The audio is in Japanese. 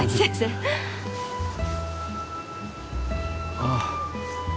ああ。